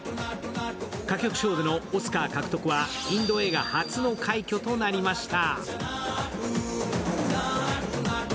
歌曲賞でのオスカー獲得はインド映画初の快挙となりました。